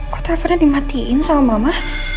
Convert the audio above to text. kok akhirnya dimatiin sama mama